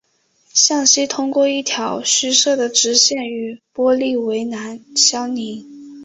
向西通过一条虚设的直线与玻利维亚相邻。